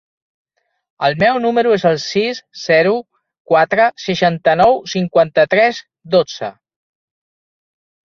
El meu número es el sis, zero, quatre, seixanta-nou, cinquanta-tres, dotze.